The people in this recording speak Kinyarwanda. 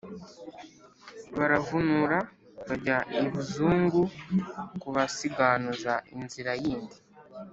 Baravunura bajya i Buzungu Kubasiganuza inzira yindi,